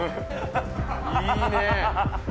・いいねぇ！